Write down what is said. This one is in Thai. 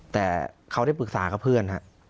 แต่เขาได้ปรึกษากับเพื่อน